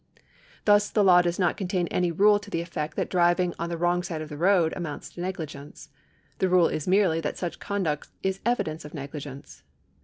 Thus the law does not contain any rule to the effect that driving on the wrong side of the road amounts to negligence. The rule is merely that such conduct is evidence of negligence.